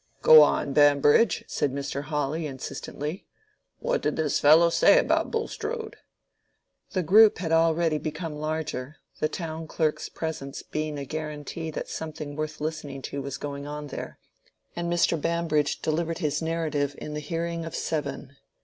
"Go on, Bambridge," said Mr. Hawley, insistently. "What did this fellow say about Bulstrode?" The group had already become larger, the town clerk's presence being a guarantee that something worth listening to was going on there; and Mr. Bambridge delivered his narrative in the hearing of seven.